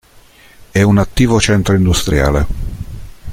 È un attivo centro industriale.